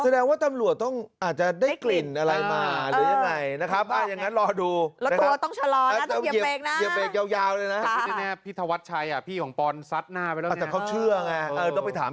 แสดงว่าตำรวจต้องอาจจะได้กลิ่นอะไรมาหรือยังไงนะครับ